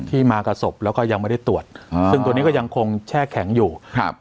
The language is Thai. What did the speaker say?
มากับศพแล้วก็ยังไม่ได้ตรวจอ่าซึ่งตัวนี้ก็ยังคงแช่แข็งอยู่ครับ